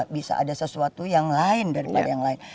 bisa ada sesuatu yang lain daripada yang lain